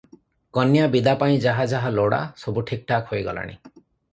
କନ୍ୟା ବିଦା ପାଇଁ ଯାହା ଯାହା ଲୋଡ଼ା, ସବୁ ଠିକ୍ ଠାକ୍ ହୋଇଗଲାଣି ।